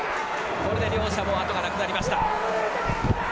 これで両者もあとがなくなりました。